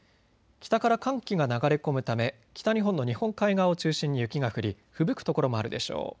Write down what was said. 北から寒気が流れ込むため北日本の日本海側を中心に雪が降り、ふぶく所もあるでしょう。